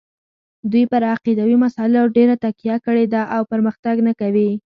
دوی پر عقیدوي مسایلو ډېره تکیه کړې ده او پرمختګ نه کوي.